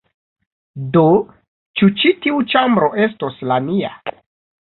Do, ĉu ĉi tiu ĉambro estos la nia?